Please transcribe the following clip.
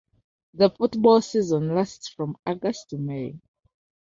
The Football Season lasts from August to May.